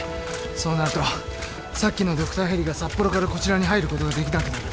そうなるとさっきのドクターヘリが札幌からこちらに入ることができなくなる。